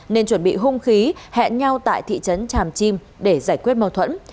nên chuẩn bị hung khí hẹn nhau tại thị trấn tràm chim để giải quyết mâu thuẫn